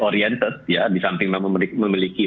oriented ya di samping memang memiliki